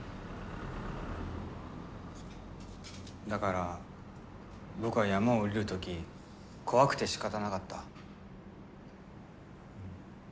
だから僕は山を下りる時怖くてしかたなかった。